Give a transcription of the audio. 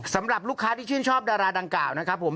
สำหรับลูกค้าที่ชื่นชอบดาราดังกล่าวนะครับผม